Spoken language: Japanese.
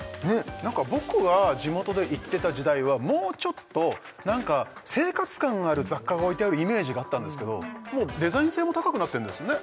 何か僕が地元で行ってた時代はもうちょっと何か生活感がある雑貨が置いてあるイメージがあったんですけどもうデザイン性も高くなってんですね